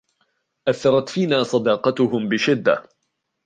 أثّرتْ فينا صداقتهم بشدة.